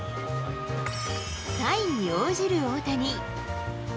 サインに応じる大谷。